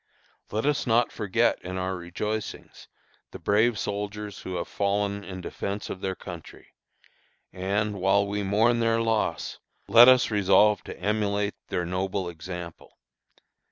Let us not forget in our rejoicings the brave soldiers who have fallen in defence of their country; and, while we mourn their loss, let us resolve to emulate their noble example.